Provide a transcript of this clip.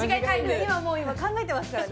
今もう考えてますからね